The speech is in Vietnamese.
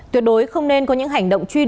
tuyệt đối không nên có những hành động truy đuổi